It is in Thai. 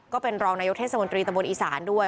ก็เป็นรองนายกเทศมนตรีตะบนอีสานด้วย